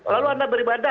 lalu anda beribadah